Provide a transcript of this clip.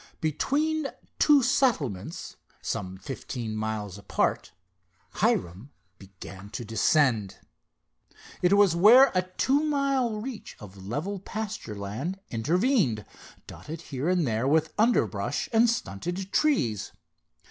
Between two settlements, some fifteen miles apart, Hiram began to descend. It was where a two mile reach of level pasture land intervened, dotted here and there with underbrush and stunted trees.